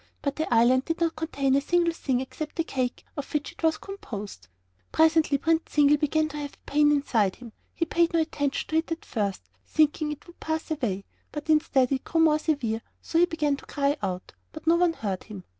But the island did not contain a single thing except the cake of which it was composed. Presently Prince Zingle began to have a pain inside him. He paid no attention to it at first, thinking it would pass away; but instead it grew more severe, so that he began to cry out; but no one heard him.